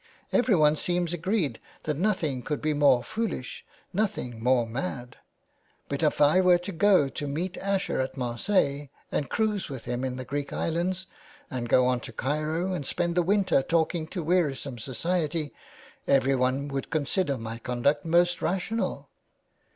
Everyone seems agreed that nothing could be more foolish, nothing more mad. But if I were to go to meet Asher at Marseilles, and cruise with him in the Greek Islands, and go on to Cairo, and spend the winter talking to wearisome society, everyone would consider my conduct most rational.